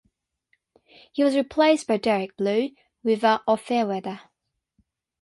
He was replaced by Derek "Blue" Weaver of Fair Weather.